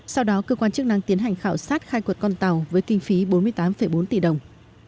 sau đó cơ quan chức năng tiến hành khảo sát khai quật con tàu với kinh phí bốn mươi tám bốn tỷ đồng